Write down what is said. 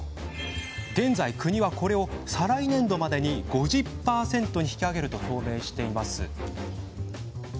現在、国はこれを再来年度までに５０％に引き上げると表明しています。